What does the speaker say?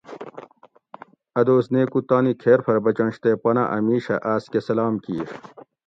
اۤ دوس نیکو تانی کھیر پھر بچنش تے پنہ اَ مِیشہ آس کہ سلام کیر